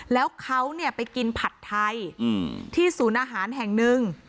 แล้วเขาไปกินผัดไทยที่ศูนย์อาหารแห่งหนึ่ง